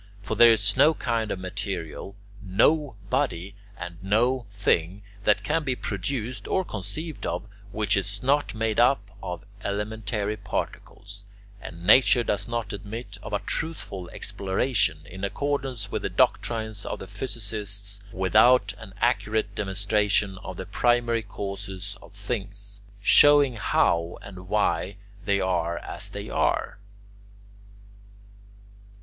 For there is no kind of material, no body, and no thing that can be produced or conceived of, which is not made up of elementary particles; and nature does not admit of a truthful exploration in accordance with the doctrines of the physicists without an accurate demonstration of the primary causes of things, showing how and why they are as they are.